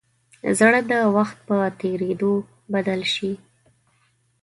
زړه د وخت په تېرېدو بدل شي.